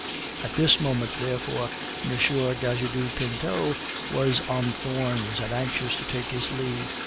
At this moment, therefore, M. d'Ajuda Pinto was on thorns, and anxious to take his leave.